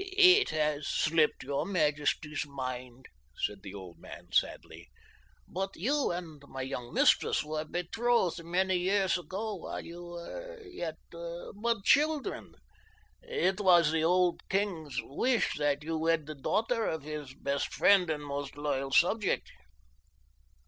"It has slipped your majesty's mind," said the old man sadly; "but you and my young mistress were betrothed many years ago while you were yet but children. It was the old king's wish that you wed the daughter of his best friend and most loyal subject."